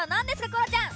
ころちゃん。